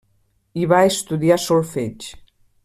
I va estudiar solfeig.